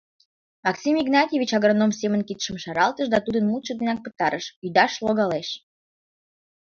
— Максим Игнатьевич агроном семын кидшым шаралтыш да тудын мутшо денак пытарыш: — ӱдаш логалеш.